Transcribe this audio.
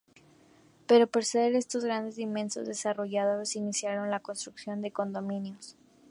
Pero por ser estos de grandes dimensiones, desarrolladores iniciaron la construcción de condominios.